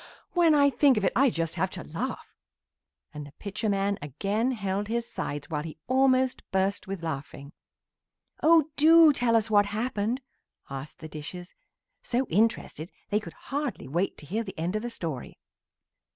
when I think of it I just have to laugh," and Pitcher man again held his sides while he almost burst with laughing. "Oh, do tell us what happened!" asked the dishes, so interested they could hardly wait to hear the end of the story.